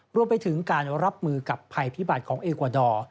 รวมไปถึงการรับมือกับภัยพิบัติของเอกวาดอร์